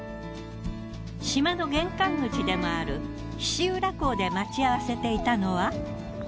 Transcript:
島の玄関口でもある菱浦港で待ち合わせていたのは。